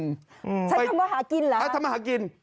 ฉันคำว่าหากินเหรอฮะอ่ะทำมาหากิน